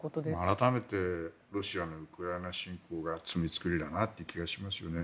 改めてロシアのウクライナ侵攻が罪作りだなという気がしますね。